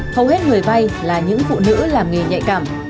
hầu hết người vay là những phụ nữ làm nghề nhạy cảm